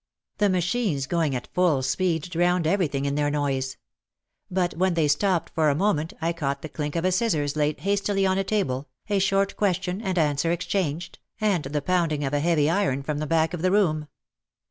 The machines going at iull speed drowned everything in their noise. But when they stopped for a moment I caught the clink of a scissors laid hastily on a table, a short question and answer exchanged, and the pounding 82 OUT OF THE SHADOW of a heavy iron from the back of the room.